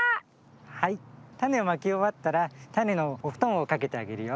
はいたねをまきおわったらたねのおふとんをかけてあげるよ。